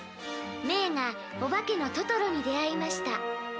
メイがお化けのトトロに出会いました。」